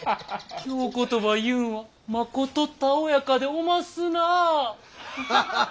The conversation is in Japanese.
京言葉いうんはまことたおやかでおますなぁ。